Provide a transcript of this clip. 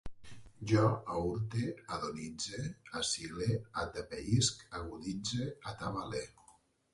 Jo aürte, adonitze, asile, atapeïsc, aguditze, atabale